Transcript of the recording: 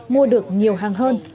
mua được nhiều hàng hơn